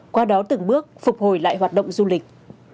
qua đó từng bước phục hồi lại hoạt động du lịch